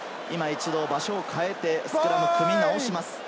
場所を変えてスクラムを組み直します。